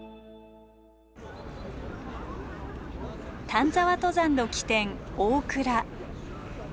丹沢登山の起点大倉。